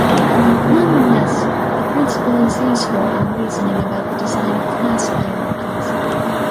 Nonetheless, the principle is useful in reasoning about the design of class hierarchies.